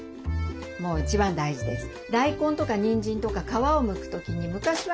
もう一番大事です。